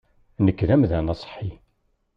Nekk d amdan aṣeḥḥi.